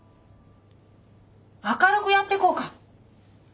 明るくやってこうか。